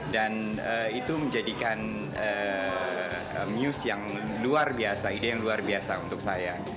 dan itu menjadikan muse yang luar biasa ide yang luar biasa untuk saya